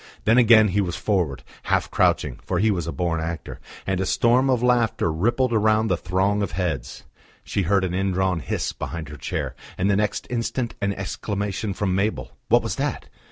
Then again he was forward, half crouching for he was a born actor and a storm of laughter rippled round the throng of heads. She heard an indrawn hiss behind her chair, and the next instant an exclamation from Mabel.... What was that?